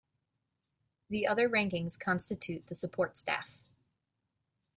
The other rankings constitute the support staff.